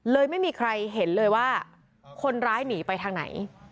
ไม่มีใครเห็นเลยว่าคนร้ายหนีไปทางไหน